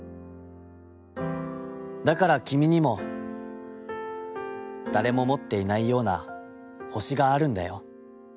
だからきみにも、誰も持っていないような星があるんだよ』。